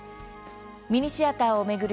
ミニシアターを巡る